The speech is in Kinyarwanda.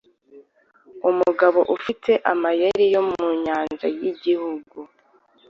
Umugabo ufite amayeri yo mu nyanjayigihugu